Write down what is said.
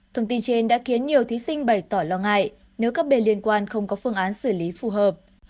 thông tin trên đã khiến nhiều thí sinh bày tỏ lo ngại nếu các bên liên quan không có phương án xử lý phù hợp